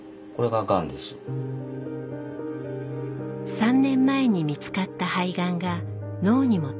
３年前に見つかった肺がんが脳にも転移。